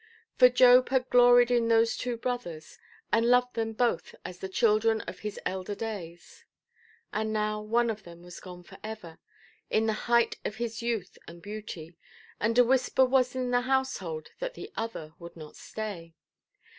For Job had gloried in those two brothers, and loved them both as the children of his elder days. And now one of them was gone for ever, in the height of his youth and beauty, and a whisper was in the household that the other would not stay.